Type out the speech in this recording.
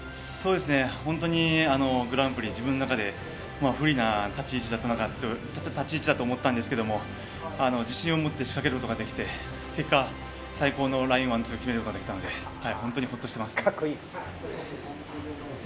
ホントにグランプリ、自分の中で本当に不利な立ち位置だと思ったんですけど、自信をもって仕掛けることができて、結果最高のライン、ワンツーを決めることができたので本当にほっとしています。